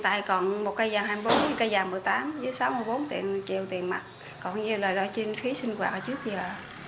tại còn một cây giàn hai mươi bốn một cây giàn một mươi tám dưới sáu mươi bốn triệu tiền mặt còn nhiều loại loại trên khí sinh quạt trước giờ